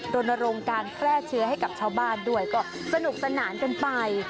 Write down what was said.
รณรงค์การแพร่เชื้อให้กับชาวบ้านด้วยก็สนุกสนานกันไป